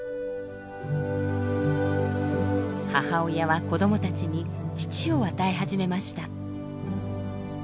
母親は子どもたちに乳を与え始めました。